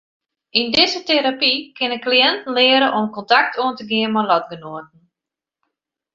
Yn dizze terapy kinne kliïnten leare om kontakt oan te gean mei lotgenoaten.